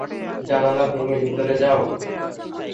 জানালা ভেঙ্গে ভিতরে যাও!